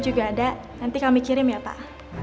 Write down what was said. juga ada nanti kami kirim ya pak